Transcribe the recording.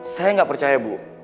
saya gak percaya bu